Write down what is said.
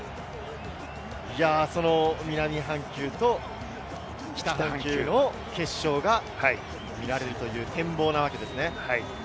南半球と北半球の決勝が見られる展望なわけですね。